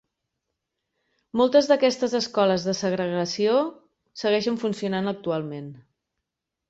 Moltes d'aquestes "escoles de segregació" segueixen funcionant actualment.